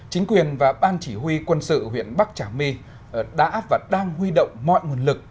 chính quyền và ban chỉ huy quân sự huyện bắc trà my đã và đang huy động mọi nguồn lực